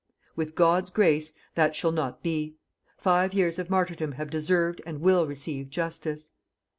With God's grace, that shall not be. Five years of martyrdom have deserved and will receive JUSTICE.